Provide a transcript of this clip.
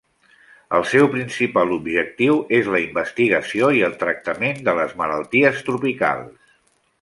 El seu principal objectiu és la investigació i el tractament de les malalties tropicals.